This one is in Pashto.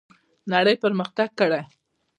نړۍ پرمختګ کړی.